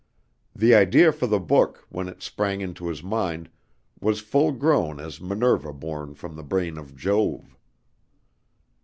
The idea for the book, when it sprang into his mind, was full grown as Minerva born from the brain of Jove.